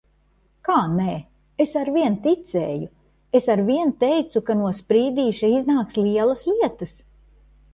Kā nē? Es arvien ticēju! Es arvien teicu, ka no Sprīdīša iznāks lielas lietas.